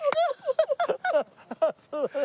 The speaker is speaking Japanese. ハハハッ。